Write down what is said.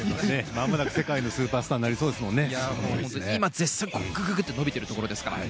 まもなく世界のスーパースターになりそうですもんね。